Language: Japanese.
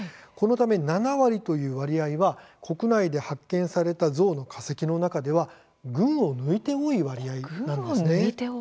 このため７割という割合は国内で発見されたゾウの化石の中では群を抜いて多い割合なんです。